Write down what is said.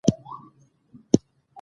ویښ انسان متوجه او بیداره يي.